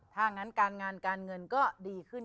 ถ้างั้นการงานการเงินก็ดีขึ้น